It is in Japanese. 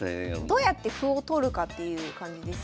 どうやって歩を取るかっていう感じですね。